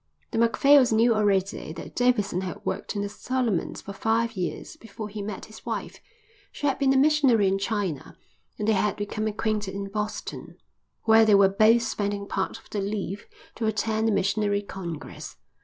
The Macphails knew already that Davidson had worked in the Solomons for five years before he met his wife. She had been a missionary in China, and they had become acquainted in Boston, where they were both spending part of their leave to attend a missionary congress.